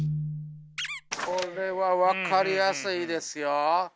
これは分かりやすいですよ。